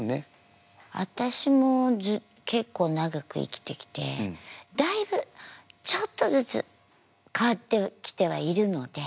私も結構長く生きてきてだいぶちょっとずつ変わってきてはいるので。